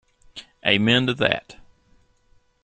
Amen to that.